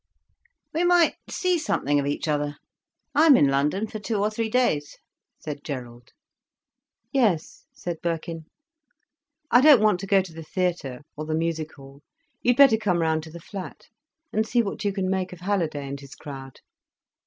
"We might see something of each other—I am in London for two or three days," said Gerald. "Yes," said Birkin, "I don't want to go to the theatre, or the music hall—you'd better come round to the flat, and see what you can make of Halliday and his crowd."